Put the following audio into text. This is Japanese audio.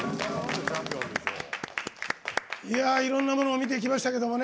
いろんなものを見てきましたけどね。